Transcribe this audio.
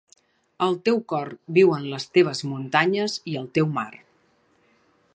El teu cor viu en les teves muntanyes i el teu mar.